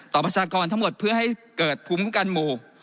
ประชากรทั้งหมดเพื่อให้เกิดภูมิกันหมู่